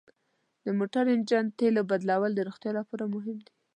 د موټر انجن تیلو بدلول د روغتیا لپاره مهم دي.